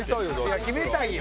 いや決めたいよ。